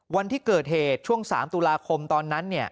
วันที่เกิดเหตุช่วง๓ตุลาคมตอนนั้น